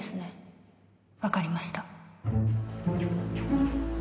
わかりました。